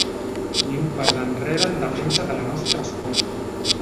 Ni un pas enrere en defensa de la nostra escola!